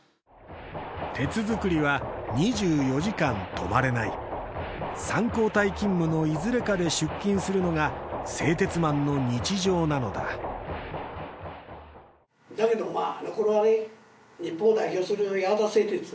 鉄づくりは２４時間止まれない三交代勤務のいずれかで出勤するのが製鉄マンの日常なのだだけどまああの頃はね日本を代表する八幡製鉄